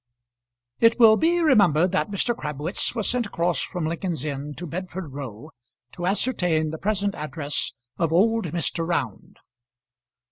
It will be remembered that Mr. Crabwitz was sent across from Lincoln's Inn to Bedford Row to ascertain the present address of old Mr. Round.